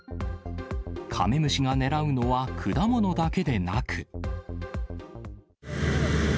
カメムシが狙うのは、果物だけでなく。